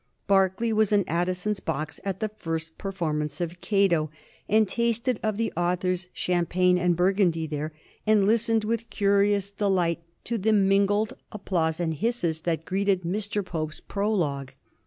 Berkeley was in Addison's box at the first performance of " Cato," and tasted of the author's champagne and burgundy there, and listened with curious delight to the mingled applause and hisses that greets ed Mr. Pope's prologue.